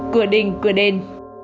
cửa đình cửa đền